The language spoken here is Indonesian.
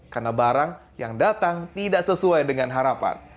karena barang yang datang tidak sesuai dengan harapan